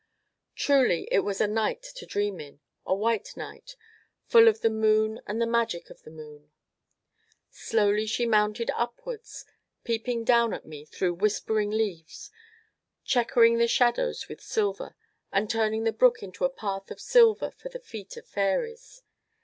Truly it was a night to dream in a white night, full of the moon and the magic of the moon. Slowly she mounted upwards, peeping down at me through whispering leaves, checkering the shadows with silver, and turning the brook into a path of silver for the feet of fairies.